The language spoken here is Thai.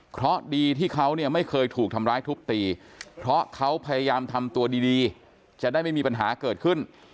เพราะดีที่เขาเนี่ยไม่เคยถูกทำร้ายทุบตีเพราะเขาพยายามทำตัวดีจะได้ไม่มีปัญหาเกิดขึ้น